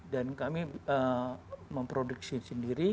dan kami memproduksi sendiri